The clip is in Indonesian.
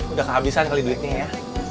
udah kehabisan kali duitnya ya